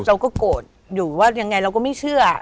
เราก็โกรธอยู่ว่ายังไงเราก็ไม่เชื่อ